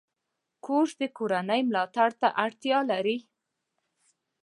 کورس د کورنۍ ملاتړ ته اړتیا لري.